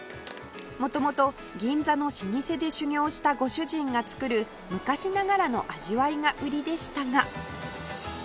元々銀座の老舗で修業したご主人が作る昔ながらの味わいが売りでしたが